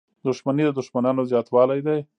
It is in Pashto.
• دښمني د دوښمنانو زیاتوالی دی.